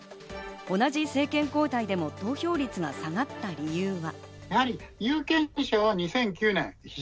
同じ政権交代でも投票率が下がった理由は？